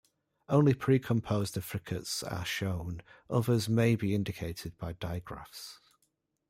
Only precomposed affricates are shown; others may be indicated by digraphs.